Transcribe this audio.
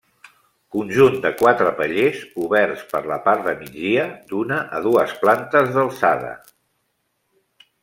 Conjunt de quatre pallers, oberts per la part de migdia, d'una a dues plantes d'alçada.